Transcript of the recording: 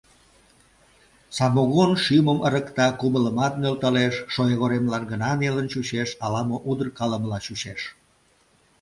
Самогон шӱмым ырыкта, кумылымат нӧлталеш; шоягоремлан гына нелын чучеш, ала-мо удыркалымыла чучеш.